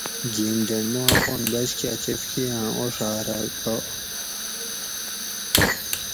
گین ڈینڈ ما اپان بچ کا چفکی یاں اوڄھارہ گا